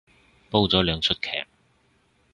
煲咗兩齣劇